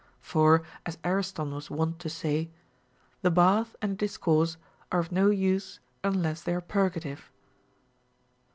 For, as Ariston was wont to say, The bath and a discourse are of no use unless they are purgative.